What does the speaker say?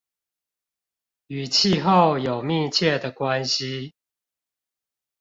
與氣候有密切的關係